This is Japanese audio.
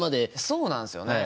そうなんすよね。